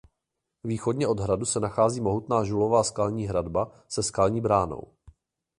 Východně od hradu se nachází mohutná žulová skalní hradba se skalní bránou.